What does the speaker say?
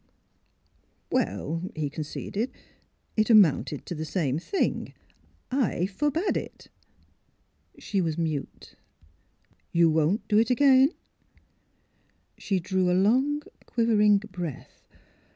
" Well," he conceded, '' it amounted to the same thing. I forbade it." She was mute. 10 THE HEAET OF PHILURA You won't do it again? " She drew a long, quivering breath.